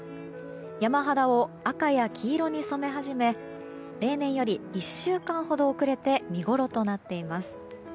山肌を赤や黄色に染め始め例年より１週間ほど遅れて見ごろとなっています。